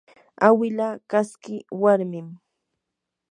awila kaski warmim